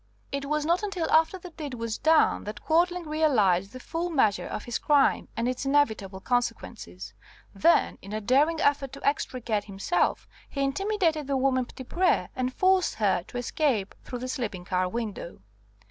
It was not until after the deed was done that Quadling realized the full measure of his crime and its inevitable consequences. Then, in a daring effort to extricate himself, he intimidated the woman Petitpré, and forced her to escape through the sleeping car window.